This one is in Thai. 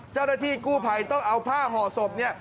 เจ้าหน้าที่กู้ภัยต้องเอาผ้าห่อศพเนี่ย